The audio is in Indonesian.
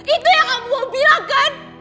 itu yang kamu mau bilang kan